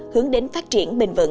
hướng đến phát triển bình vẩn